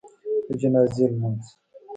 د جنازي لمونځ